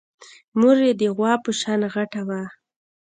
مور يې د غوا په شان غټه وه.